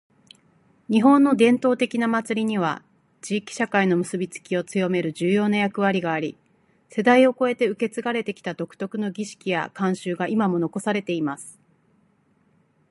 •「日本の伝統的な祭りには、地域社会の結びつきを強める重要な役割があり、世代を超えて受け継がれてきた独特の儀式や慣習が今も残されています。」